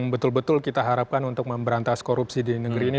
betul betul kita harapkan untuk memberantas korupsi di negeri ini